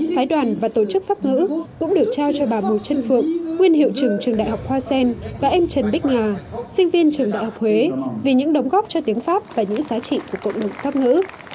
phái đoàn và tổ chức pháp ngữ cũng được trao cho bà bùi trân phượng nguyên hiệu trưởng trường đại học hoa sen và em trần bích nhà sinh viên trường đại học huế vì những đóng góp cho tiếng pháp và những giá trị của cộng đồng pháp ngữ